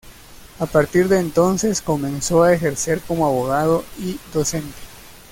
A partir de entonces comenzó a ejercer como abogado y docente.